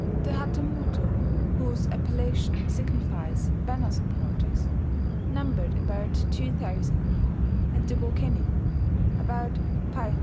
The hatamoto, whose appellation signifies "banner supporters," numbered about 2000, and the gokenin about 5000.